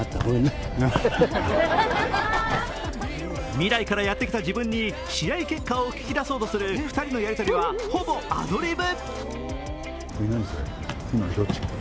未来からやってきた自分に試合結果を聞き出そうとする２人のやり取りはほぼアドリブ。